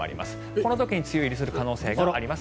この時に梅雨入りする可能性があります。